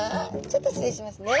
ちょっと失礼しますね。